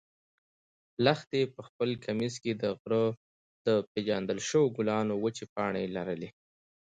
لښتې په خپل کمیس کې د غره د پېژندل شوو ګلانو وچې پاڼې لرلې.